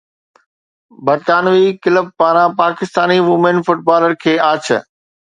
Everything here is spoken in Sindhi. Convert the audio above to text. برطانوي ڪلب پاران پاڪستاني وومين فٽبالر کي آڇ